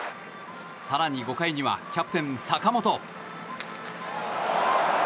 更に５回にはキャプテン坂本。